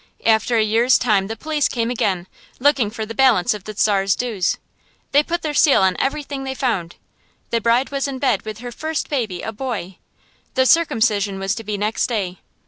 After a year's time the police came again, looking for the balance of the Czar's dues. They put their seal on everything they found. The bride was in bed with her first baby, a boy. The circumcision was to be next day.